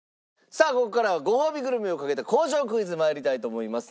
さあここからはごほうびグルメをかけた工場クイズに参りたいと思います。